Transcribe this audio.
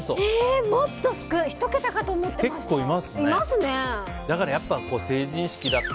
もっと少ない１桁かと思ってました。